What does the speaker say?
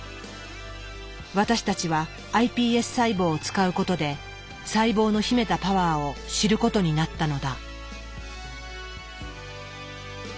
私たちはｉＰＳ細胞を使うことで細胞の秘めたパワーを知ることになったのだ。